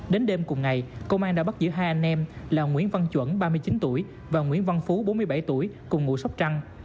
đến đêm cùng ngày công an đã bắt giữ hai anh em là nguyễn văn chuẩn ba mươi chín tuổi và nguyễn văn phú bốn mươi bảy tuổi cùng ngụ sóc trăng